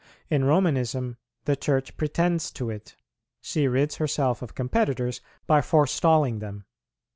In Romanism the Church pretends to it; she rids herself of competitors by forestalling them.